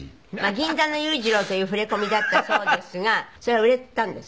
銀座の裕次郎という触れ込みだったそうですがそれは売れたんです？